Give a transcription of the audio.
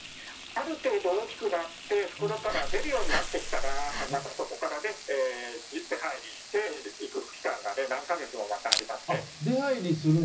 ある程度、大きくなって袋から出るようになってきたらそこから出入りしてそういう期間が何か月もまたありますね。